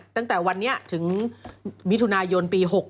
ตั้งแต่วันนี้ถึงมิถุนายนปี๖๖